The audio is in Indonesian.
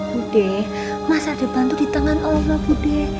bude masa depan itu di tangan allah bude